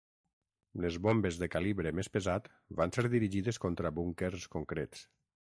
Les bombes de calibre més pesat van ser dirigides contra búnquers concrets.